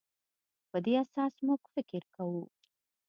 په دې اساس موږ فکر کوو.